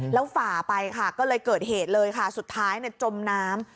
แล้วฝ่าไปค่ะก็เลยเกิดเหตุเลยค่ะสุดท้ายจมน้ำ